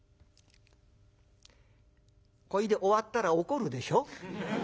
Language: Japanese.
これで終わったら怒るでしょ？